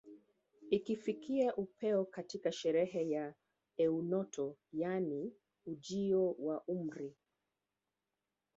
Ikifikia upeo katika sherehe ya eunoto yaani ujio wa umri